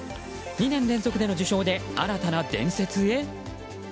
２年連続での受賞で新たな伝説へ？